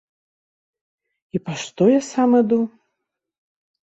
І па што я сам іду?